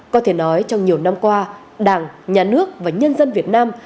có thể nói trong nhiều năm qua đảng nhà nước và nhân dân việt nam